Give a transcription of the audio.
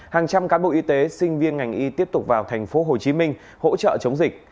hàng trăm cán bộ y tế sinh viên ngành y tiếp tục vào thành phố hồ chí minh hỗ trợ chống dịch